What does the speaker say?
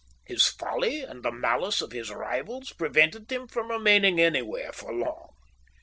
His folly and the malice of his rivals prevented him from remaining anywhere for long.